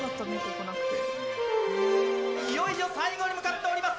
いよいよ最後に向かっております。